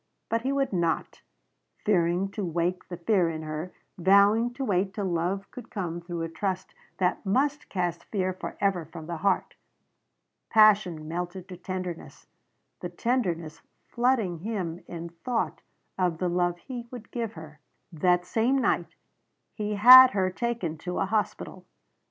But he would not fearing to wake the fear in her, vowing to wait till love could come through a trust that must cast fear forever from the heart. Passion melted to tenderness; the tenderness flooding him in thought of the love he would give her. That same night he had her taken to a hospital.